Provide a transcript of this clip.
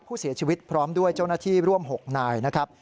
ผู้เสียชีวิตพร้อมด้วยเจ้าหน้าที่ร่วม๖นายนะครับ